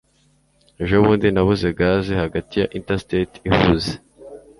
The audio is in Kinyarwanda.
ejobundi nabuze gaze hagati ya interstate ihuze